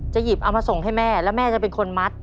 หยิบเอามาส่งให้แม่แล้วแม่จะเป็นคนมัด